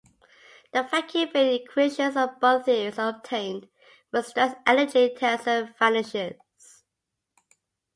The "vacuum field equations" of both theories are obtained when the stress-energy tensor vanishes.